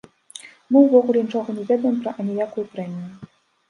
Мы ўвогуле нічога не ведаем пра аніякую прэмію.